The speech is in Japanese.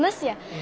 え？